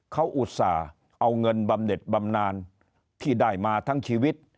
เขาอุตส่าห์เอาเงินบำเน็ตบำนานที่ได้มาทั้งชีวิต